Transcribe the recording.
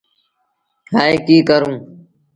هآي ڪيٚ ڪرون۔